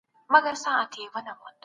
رښتيا، وفا او امانت.